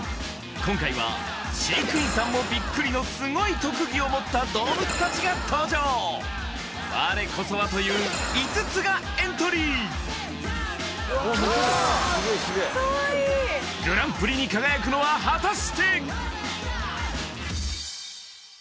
今回は飼育員さんもビックリのスゴい特技を持った動物達が登場我こそは！という５つがエントリーわスゲエスゲエかわいい果たして？